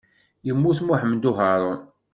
Yemmut Muḥemmud Uharun.